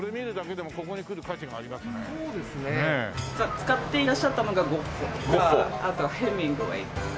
使っていらっしゃったのがゴッホとかあとはヘミングウェイとか。